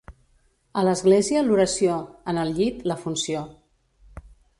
A l'església, l'oració; en el llit, la funció.